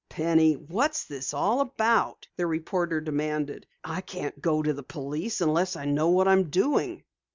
"Penny, what's this all about?" the reporter demanded. "I can't go to the police unless I know what I am doing."